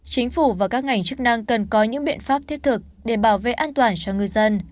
chính phủ và các ngành chức năng cần có những biện pháp thiết thực để bảo vệ an toàn cho ngư dân